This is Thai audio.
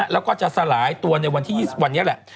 แล้วก็จะสลายตัวในวันที่๒๐วันนี้แหละ